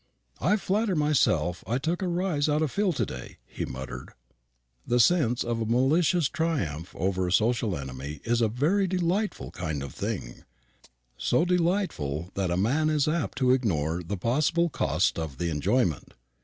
"I flatter myself I took a rise out of Phil to day," he muttered. The sense of a malicious triumph over a social enemy is a very delightful kind of thing, so delightful that a man is apt to ignore the possible cost of the enjoyment.